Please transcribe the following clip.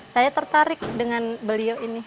saya tertarik dengan beliau ini